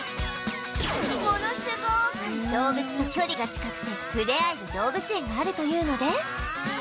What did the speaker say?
ものすごーく動物と距離が近くて触れ合える動物園があるというので